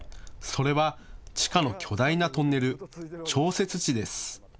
それは地下の巨大なトンネル、調節池です。